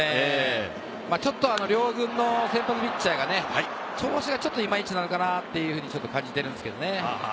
ちょっと両軍の先発ピッチャーが、調子がちょっといまいちなのかなっていうふうに感じているんですけどね。